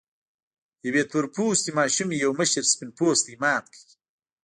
يوې تور پوستې ماشومې يو مشر سپين پوستي مات کړ.